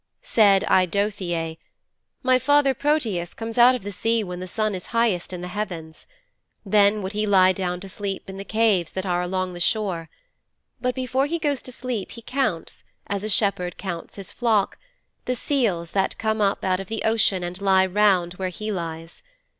"' 'Said Eidothëe, "My father, Proteus, comes out of the sea when the sun is highest in the heavens. Then would he lie down to sleep in the caves that are along the shore. But before he goes to sleep he counts, as a shepherd counts his flock, the seals that come up out of the ocean and lie round where he lies.